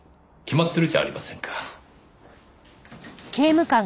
決まってるじゃありませんか。